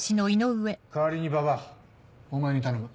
代わりに馬場お前に頼む。